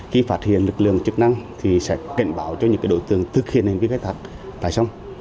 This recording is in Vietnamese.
khi phát hiện lực lượng chức năng thì sẽ cảnh báo cho những đối tượng thực hiện hành vi khai thác tại sông